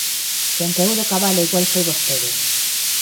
Quen caeu do cabalo igual foi vostede.